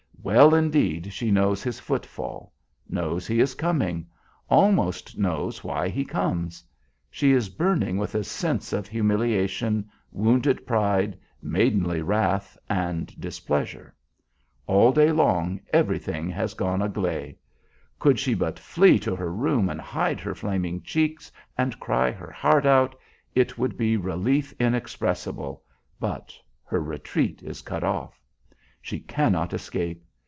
Well, indeed, she knows his foot fall; knows he is coming; almost knows why he comes. She is burning with a sense of humiliation, wounded pride, maidenly wrath, and displeasure. All day long everything has gone agley. Could she but flee to her room and hide her flaming cheeks and cry her heart out, it would be relief inexpressible, but her retreat is cut off. She cannot escape.